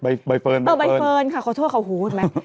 ใบเฟิร์นเออใบเฟิร์นค่ะขอโทษว่าเขาหูดมั้ย